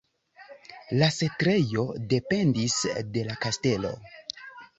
La setlejo dependis de la kastelo.